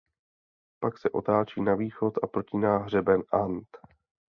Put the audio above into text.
Pak se otáčí na východ a protíná hřeben And.